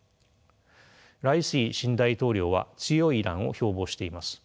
ライシ新大統領は強いイランを標ぼうしています。